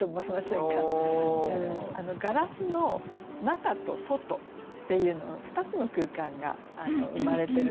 ガラスの中と外っていう２つの空間が生まれてるんですね